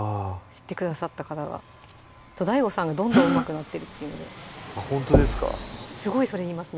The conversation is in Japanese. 知ってくださった方がＤＡＩＧＯさんがどんどんうまくなってるっていうのでほんとですかすごいそれ言います